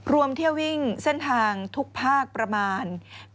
รวมเที่ยววิ่งเส้นทางทุกภาคประมาณ